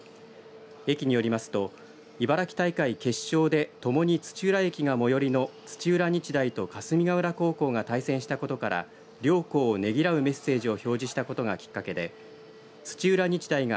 駅によりますと、茨城大会決勝でともに土浦駅が最寄りの土浦日大と霞ヶ浦高校が対戦したことから両校をねぎらうメッセージを表示したことがきっかけで土浦日大が